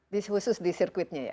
khusus di sirkuitnya ya